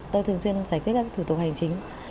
tôi thường xuyên giải quyết các thủ tục hành chính